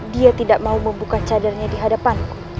dia tidak mau membuka cadarnya di hadapan